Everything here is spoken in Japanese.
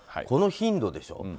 この頻度でしょ。